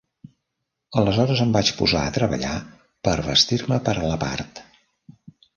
Aleshores em vaig posar a treballar per vestir-me per a la part.